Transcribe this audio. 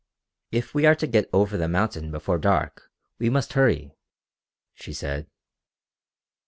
"If we are to get over the mountain before dark we must hurry," she said.